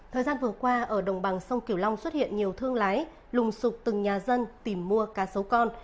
thời gian vừa qua ở đồng bằng sông kiều long xuất hiện nhiều thương lái lùng sụp từng nhà dân tìm mua cá sấu con